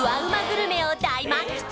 グルメを大満喫！